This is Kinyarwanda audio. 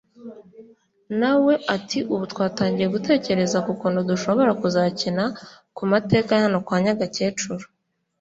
na we ati “ubu twatangiye gutekereza ku kuntu dushobora kuzakina ku mateka ya hano kwa Nyagakecuru